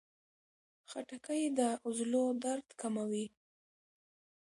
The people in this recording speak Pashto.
خټکی د عضلو درد کموي.